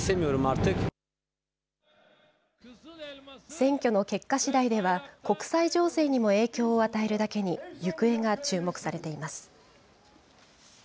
選挙の結果しだいでは、国際情勢にも影響を与えるだけに、行方が注目されています。